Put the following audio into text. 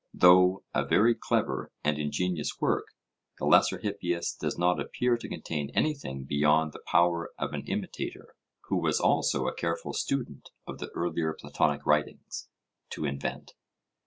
Though a very clever and ingenious work, the Lesser Hippias does not appear to contain anything beyond the power of an imitator, who was also a careful student of the earlier Platonic writings, to invent.